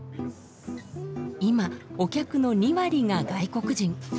今お客の２割が外国人。